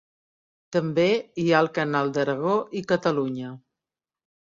També hi ha el Canal d'Aragó i Catalunya.